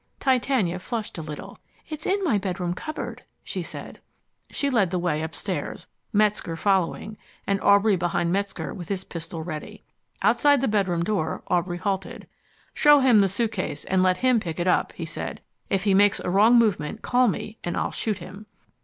Titania flushed a little. "It's in my bedroom cupboard," she said. She led the way upstairs, Metzger following, and Aubrey behind Metzger with his pistol ready. Outside the bedroom door Aubrey halted. "Show him the suitcase and let him pick it up," he said. "If he makes a wrong movement, call me, and I'll shoot him."